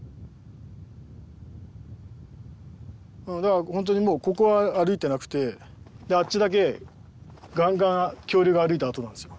だから本当にもうここは歩いてなくてあっちだけガンガン恐竜が歩いた跡なんですよ。